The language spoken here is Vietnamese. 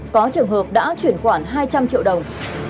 có trường hợp đã chuyển khoản hai trăm linh triệu đồng